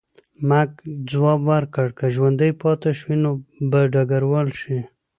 مک ځواب ورکړ، که ژوندی پاتې شوې نو به ډګروال شې.